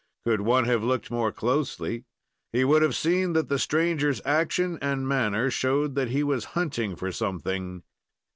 Could one have looked more closely, he would have seen that the stranger's action and manner showed that he was hunting for something.